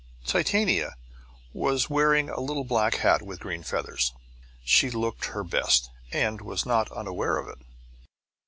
Titania was wearing a little black hat with green feathers. She looked her best, and was not unaware of it.